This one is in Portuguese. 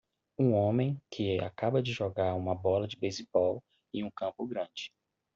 Um homem que acaba de jogar uma bola de beisebol em um campo grande.